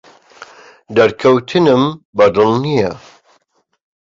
دەرکەوتنمم بەدڵ نییە.